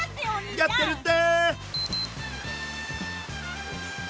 やってるって！